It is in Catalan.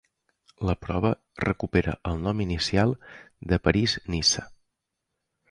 La prova recupera el nom inicial de París-Niça.